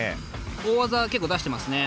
大技を結構出してますね。